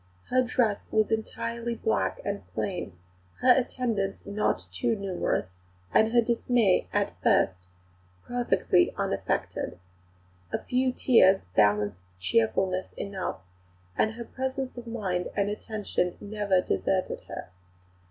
Her dress was entirely black and plain; her attendants not too numerous; her dismay at first perfectly unaffected. A few tears balanced cheerfulness enough, and her presence of mind and attention never deserted her.